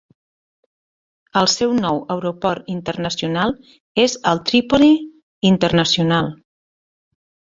El seu nou aeroport internacional és el Tripoli International.